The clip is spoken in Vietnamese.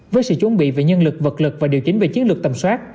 với sự chuẩn bị về nhân lực vật lực và điều chỉnh về chiến lược tầm soát